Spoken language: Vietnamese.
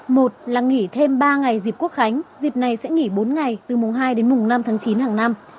một là nghỉ thêm ba ngày dịp quốc khánh dịp này sẽ nghỉ bốn ngày từ mùng hai đến mùng năm tháng chín hàng năm